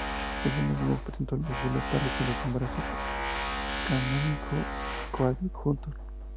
Ese mismo mes, presentó las bulas para que se le nombrase canónigo coadjutor.